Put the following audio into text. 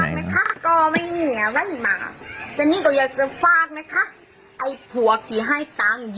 คลิปของเจนนี่ใช่มะติ๊กต็อกมาเจนนี่ก็อยากจะฝากนะฮะ